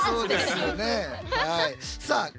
そうですよね。